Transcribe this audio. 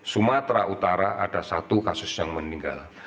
sumatera utara ada satu kasus yang meninggal